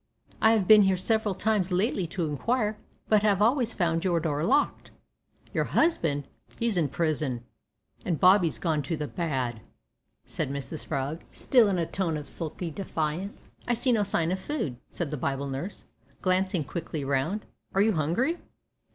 I have been here several times lately to inquire, but have always found your door locked. Your husband " "He's in prison, and Bobby's gone to the bad," said Mrs Frog, still in a tone of sulky defiance. "I see no sign of food," said the Bible nurse, glancing quickly round; "are you hungry?"